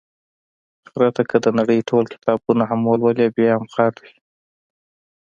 خره ته که د نړۍ ټول کتابونه هم ولولې، بیا هم خر دی.